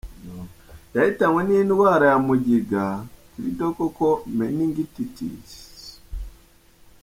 Yahitanywe n’indwara ya mugiga “Crytococal Meningitis”.